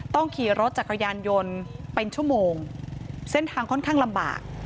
ต้องขี่รถจักรยานยนต์เป็นชั่วโมงเส้นทางค่อนข้างลำบาก